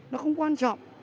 nó không quan trọng